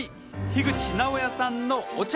樋口直哉さんのお茶